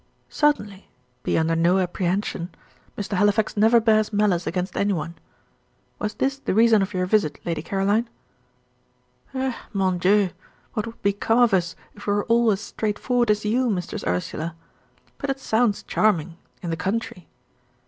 "Certainly: be under no apprehension. Mr. Halifax never bears malice against any one. Was this the reason of your visit, Lady Caroline?" "Eh mon Dieu! what would become of us if we were all as straightforward as you, Mistress Ursula? But it sounds charming in the country.